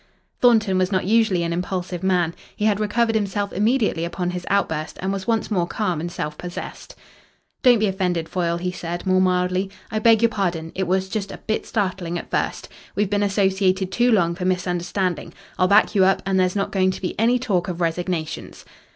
Thornton was not usually an impulsive man. He had recovered himself immediately upon his outburst and was once more calm and self possessed. "Don't be offended, Foyle," he said, more mildly. "I beg your pardon. It was just a bit startling at first. We've been associated too long for misunderstanding. I'll back you up, and there's not going to be any talk of resignations."